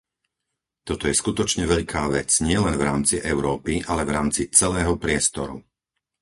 Toto je skutočne veľká vec nielen v rámci Európy, ale v rámci celého priestoru!